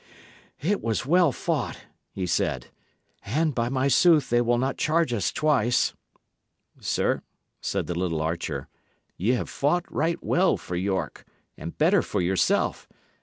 "It was well fought," he said, "and, by my sooth, they will not charge us twice." "Sir," said the little archer, "ye have fought right well for York, and better for yourself.